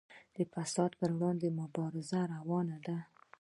د فساد پر وړاندې مبارزه روانه ده